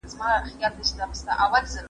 بېشوره